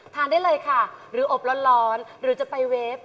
ได้เลยค่ะหรืออบร้อนหรือจะไปเวฟ